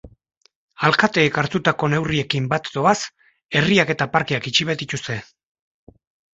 Alkateek hartutako neurriekin bat doaz, herriak eta parkeak itxi baitituzte.